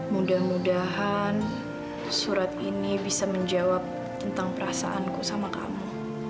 mudah mudahan surat ini bisa menjawab tentang perasaanku sama kamu